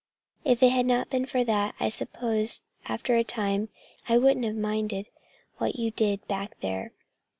If it had not been for that, I suppose after a time I wouldn't have minded what you did back there.